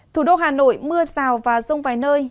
thủ đô hà nội mưa rào và rông vài nơi